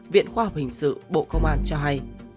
viện khoa học hình sự bộ công an cho hay